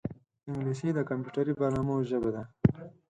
انګلیسي د کمپیوټري برنامو ژبه ده